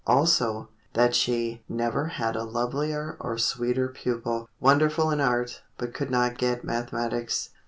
Also, that she "never had a lovelier or sweeter pupil; wonderful in art, but could not get mathematics."